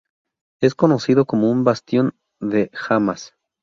Es conocido como un bastión de Hamas.